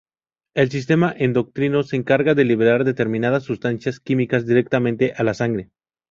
El sistema endocrino se encarga de liberar determinadas sustancias químicas directamente a la sangre.